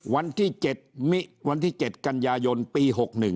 วันที่๗กันยายนปี๖๑